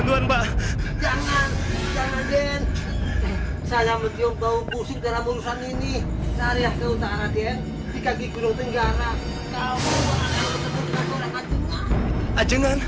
sampai jumpa di video selanjutnya